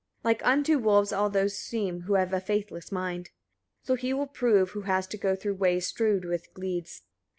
31. Like unto wolves all those seem who have a faithless mind: so he will prove who has to go through ways strewed with gleeds.